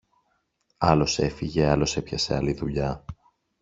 Άλλος έφυγε, άλλος έπιασε άλλη δουλειά.